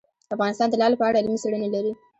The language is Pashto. افغانستان د لعل په اړه علمي څېړنې لري.